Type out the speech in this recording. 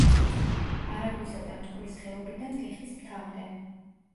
არაგვისა და მტკვრის ხეობიდან ლიხის მთამდე.